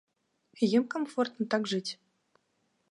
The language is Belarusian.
Ім камфортна так жыць.